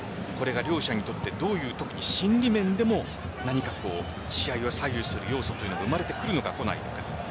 両者にとって特に心理面でも何か試合を左右する要素が生まれてくるのかこないのか。